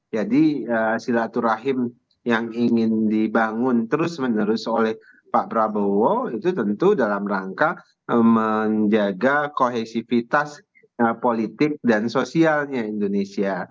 jadi silaturahim yang ingin dibangun terus menerus oleh pak prabowo itu tentu dalam rangka menjaga kohesivitas politik dan sosialnya indonesia